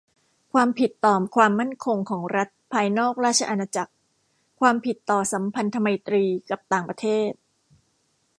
ความผิดต่อความมั่นคงของรัฐภายนอกราชอาณาจักร ความผิดต่อสัมพันธไมตรีกับต่างประเทศ